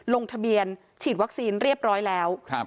ลงทะเบียนฉีดวัคซีนเรียบร้อยแล้ว